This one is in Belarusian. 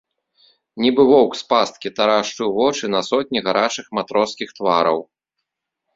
Нібы воўк з пасткі, тарашчыў вочы на сотні гарачых матроскіх твараў.